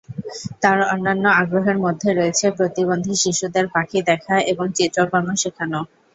তার অন্যান্য আগ্রহের মধ্যে রয়েছে প্রতিবন্ধী শিশুদের পাখি দেখা এবং চিত্রকর্ম শেখানো।